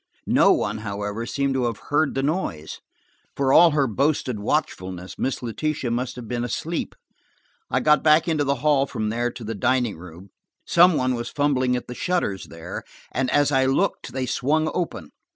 No one, however, seemed to have heard the noise. For all her boasted watchfulness, Miss Letitia must have been asleep. I got back into the hand from there to the dining room. Some one was fumbling at the shutters there, and as I looked they swung open.